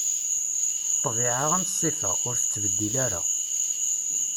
Ṭṭbiɛa am ṣṣifa, ur tettbeddil ara.